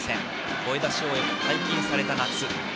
声出し応援も解禁された夏。